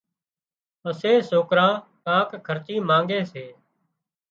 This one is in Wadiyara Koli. پسي سوڪران ڪانڪ خرچي مانڳي سي